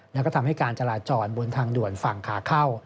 แล้วก็ทำให้การจราจรบนทางด่วนฝั่งขาเข้า